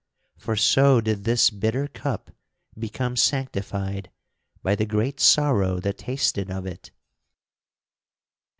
For so did this bitter cup become sanctified by the great sorrow that tasted of it."